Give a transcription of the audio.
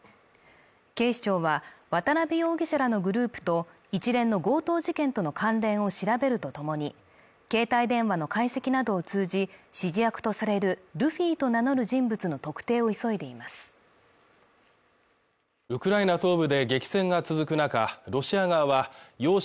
警視庁は渡辺容疑者らのグループと一連の強盗事件との関連を調べるとともに携帯電話の解析などを通じ指示役とされるルフィと名乗る人物の特定を急いでいますウクライナ東部で激戦が続く中ロシア側は要衝